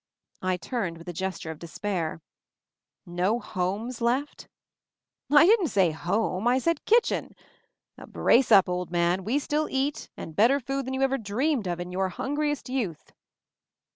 I turned with a gesture of despair. "No homes left? " "I didn't say 'home' — I said 'kitchen.' MOVING THE MOUNTAIN 69 Brace up, old man ! We still eat — and bet ter food than you ever dreamed of in your hungriest youth."